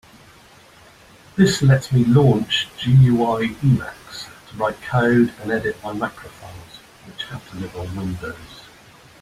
This lets me launch GUI Emacs to write code and edit my macro files which have to live on Windows.